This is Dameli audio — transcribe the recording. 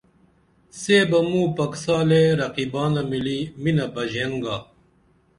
سے بہ موں پکسالے رقیبانہ ملی مِنہ بژین گا